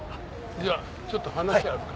じゃあちょっと話あるから。